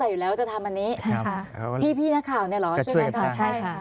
อยู่แล้วจะทำอันนี้ใช่ค่ะพี่พี่น้ำข่าวเนี่ยเหรอใช่ค่ะ